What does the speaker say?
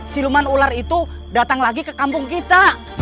siluman ular itu datang lagi ke kampung kita